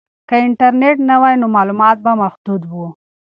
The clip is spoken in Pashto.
که انټرنیټ نه وای نو معلومات به محدود وو.